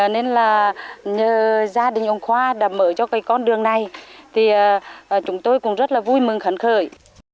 nên là gia đình ông khoa đã mở cho cái con đường này thì chúng tôi cũng rất là vui mừng phấn khởi